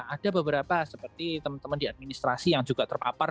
ada beberapa seperti teman teman di administrasi yang juga terpapar